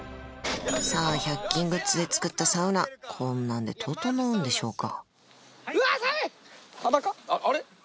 さぁ１００均グッズで作ったサウナこんなんで整うんでしょうか？